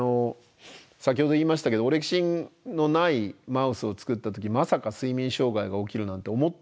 先ほど言いましたけどオレキシンのないマウスを作った時まさか睡眠障害が起きるなんて思ってもいなかったんですね。